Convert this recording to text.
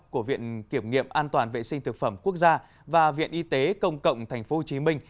của viện kiểm nghiệm an toàn vệ sinh thực phẩm quốc gia và viện y tế công cộng tp hcm